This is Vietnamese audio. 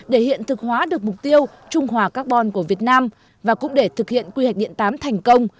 để hiện thực hóa được mục tiêu trung hòa carbon của việt nam và cũng để thực hiện quy hệ điện tám thành công